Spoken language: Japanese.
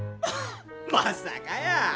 まさかやー。